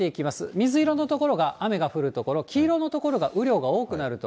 水色の所が雨が降る所、黄色の所が雨量が多くなる所。